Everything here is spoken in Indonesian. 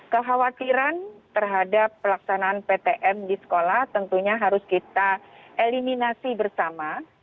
kekhawatiran terhadap pelaksanaan ptm di sekolah tentunya harus kita eliminasi bersama